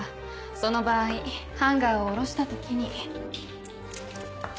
その場合ハンガーを下ろした時に。